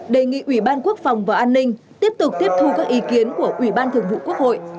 đề nghị ủy ban quốc phòng và an ninh tiếp tục tiếp thu các ý kiến của ủy ban thường vụ quốc hội